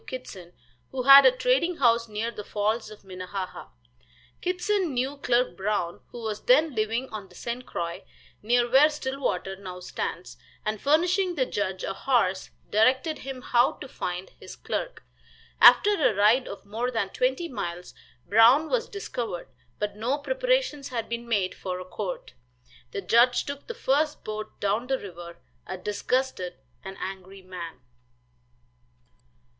Kittson, who had a trading house near the Falls of Minnehaha. Kittson knew Clerk Brown, who was then living on the St. Croix, near where Stillwater now stands, and furnishing the judge a horse, directed him how to find his clerk. After a ride of more than twenty miles, Brown was discovered, but no preparations had been made for a court. The judge took the first boat down the river, a disgusted and angry man.